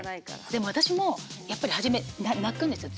でも私もやっぱり初め泣くんですよ。